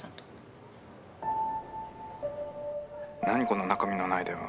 この中身のない電話。